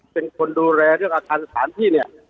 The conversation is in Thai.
เป็นคนดูแลด้วยการสร้างสถานที่เนี่ย